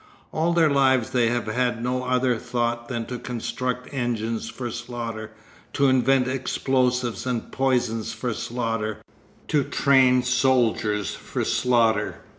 All their lives they have had no other thought than to construct engines for slaughter, to invent explosives and poisons for slaughter, to train soldiers for slaughter.